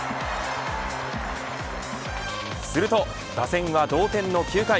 すると打線は同点の９回。